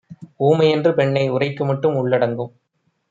ஊமைஎன்று பெண்ணை உரைக்குமட்டும் உள்ளடங்கும்